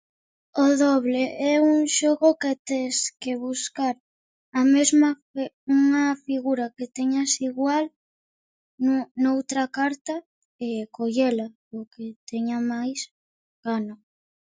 O doble é un xogo que tes que buscar a mesma, unha figura que teñas igual no- noutra carta e collela. O que teña máis gana.